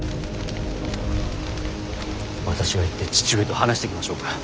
私が行って父上と話してきましょうか。